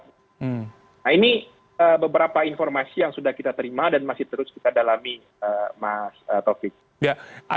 nah ini beberapa informasi yang sudah kita terima dan masih terus kita dalami mas taufik